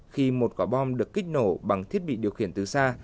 khi một quả bom được kích nổ bằng thiết bị điều khiển từ xa